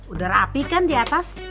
udah rapi kan di atas